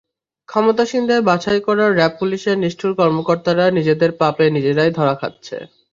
ক্ষমতাসীনদের বাছাই করা র্যাব-পুলিশের নিষ্ঠুর কর্মকর্তারা নিজেদের পাপে নিজেরাই ধরা খাচ্ছে।